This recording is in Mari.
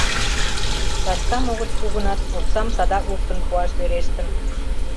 Саскам огыт пу гынат, оксам садак луктын пуаш верештын...